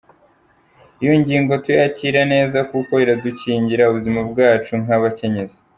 ' Iyo ngingo tuyakira neza kuko iradukingira ubuzima bwacu nk’abakenyezi.